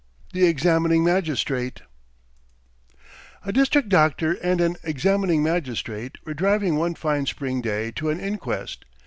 THE EXAMINING MAGISTRATE A DISTRICT doctor and an examining magistrate were driving one fine spring day to an inquest.